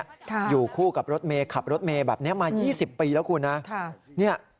อยู่คู่กับรถเมษขับรถเมษแบบนี้มา๒๐ปีเท่าไหร่ครับ